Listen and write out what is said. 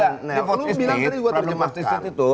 kalau lu bilang tadi gue terjemahkan